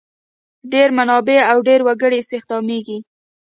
ډېر منابع او ډېر وګړي استخدامیږي.